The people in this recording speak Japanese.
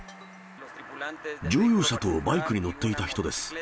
乗用車とバイクに乗っていた人です。